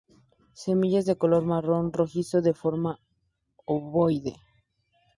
Semillas de color marrón rojizo, de forma ovoide.